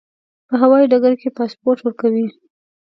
په هوایي ډګر کې پاسپورت ورکوي.